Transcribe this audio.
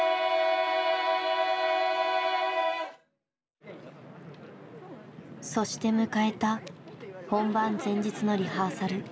そして迎えた本番前日のリハーサル。